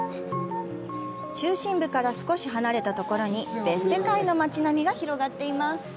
中心部から少し離れたところに別世界の街並みが広がっています。